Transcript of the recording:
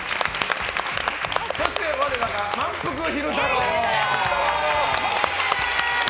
そして我らがまんぷく昼太郎！